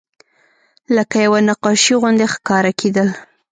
لکه یوه نقاشي غوندې ښکاره کېدل.